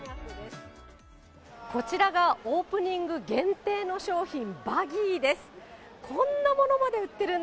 こちらがオープニング限定の商品、バギーです。